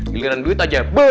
giliran duit aja